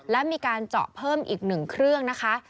และมีการเจาะเพิ่มอีก๑เครื่องนะคะ